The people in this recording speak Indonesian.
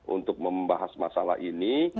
untuk membahas masalah ini